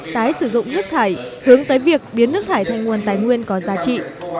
tái sử dụng nước thải hướng tới việc biến nước thải thành nguồn tài nguyên có giá trị